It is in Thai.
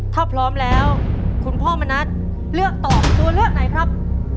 ถ้าพร้อมแล้วคุณพ่อมณัฐเลือกตอบตัวเลือกไหนครับ